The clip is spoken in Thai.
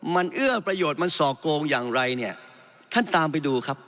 มันเอื้อประโยชน์มันสอกโกงอย่างไรเนี่ยท่านตามไปดูครับ